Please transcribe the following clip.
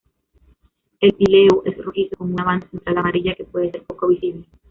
El píleo es rojizo con una banda central amarilla, que puede ser poco visible.